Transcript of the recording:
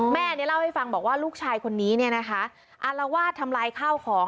แม่เนี่ยเล่าให้ฟังบอกว่าลูกชายคนนี้เนี่ยนะคะอารวาสทำลายข้าวของ